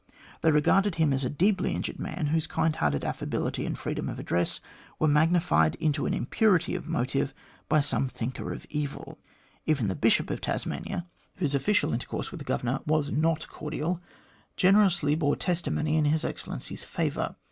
They regarded him as a deeply injured man, whose kind hearted affability and freedom of address were magnified into an impurity of motive by some Jbhinker of evil. Even the Bishop of Tasmania, whose official A GRIEVOUS ERROR OF Mil GLADSTONE'S 171 intercourse with the Governor was not cordial, generously bore testimony in His Excellency's favour.